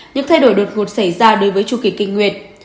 những thay đổi đột ngột xảy ra đối với chu kỳ kinh nguyệt